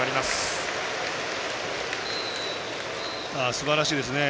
すばらしいですね。